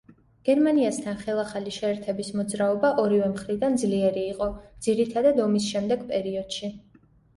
გერმანიასთან ხელახალი შეერთების მოძრაობა ორივე მხრიდან ძლიერი იყო, ძირითადად ომის შემდეგ პერიოდში.